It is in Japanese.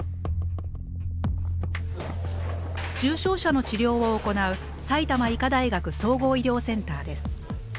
重症者の治療を行う埼玉医科大学総合医療センターです。